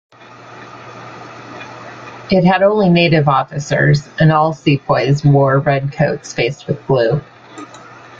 It had only native officers and all sepoys wore red coats faced with blue.